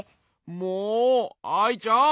もうアイちゃん！